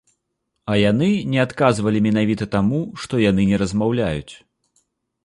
А яны не адказвалі менавіта таму, што яны не размаўляюць.